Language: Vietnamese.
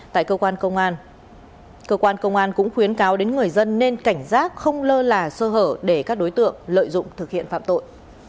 tại cơ quan công an cơ quan công an cũng khuyến cáo đến người dân nên cảnh giác không lơ là sơ hở để các đối tượng lợi dụng thực hiện phạm tội